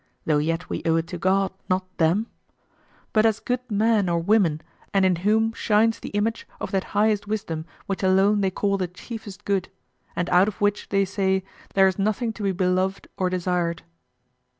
though yet we owe it to God, not them but as good men or women and in whom shines the image of that highest wisdom which alone they call the chiefest good, and out of which, they say, there is nothing to be beloved or desired.